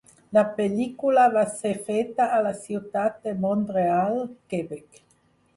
La pel·lícula va ser feta a la ciutat de Mont-real, Quebec.